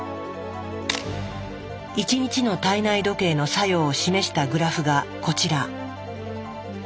１日の体内時計の作用を示したグラフがこちら。